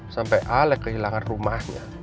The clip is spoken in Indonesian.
sampai alek kehilangan rumahnya